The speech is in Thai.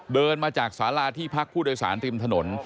เดินมาจากสาราที่พักผู้โดยสารริมถนน